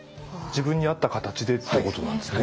自分に合った形でってことなんですね。